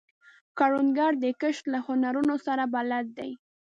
کروندګر د کښت له هنرونو سره بلد دی